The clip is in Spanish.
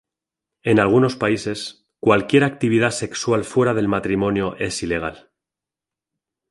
En algunos países, cualquier actividad sexual fuera del matrimonio es ilegal.